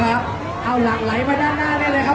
ขอบคุณมากนะคะแล้วก็แถวนี้ยังมีชาติของ